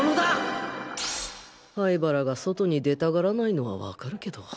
現在灰原が外に出たがらないのはわかるけど